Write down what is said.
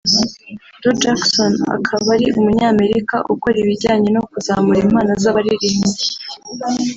Joe Jackson akaba ari umunyamerika ukora ibijyanye no kuzamura impano z’abaririmbyi